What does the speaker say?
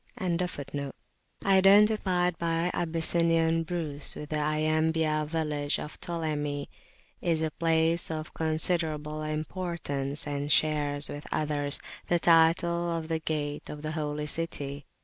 Yanbu'a al Bahr, Yambu' or Fountain of the Sea,[FN#1] identified, by Abyssinian Bruce, with the Iambia village of Ptolemy, is a place of considerable importance, and shares with others the title of "Gate of the Holy City."